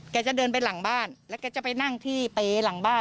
จะเดินไปหลังบ้านแล้วแกจะไปนั่งที่เป๊หลังบ้าน